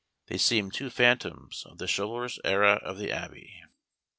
They seemed two phantoms of the chivalrous era of the Abbey.